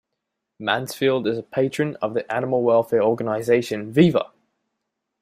Mansfield is a patron of the animal welfare organisation Viva!